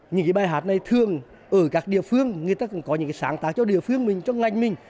những cái bài hát này thường ở các địa phương người ta cũng có những sáng tác cho địa phương mình cho ngành mình